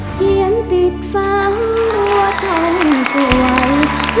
เขียนติดฟังว่าท่านสวย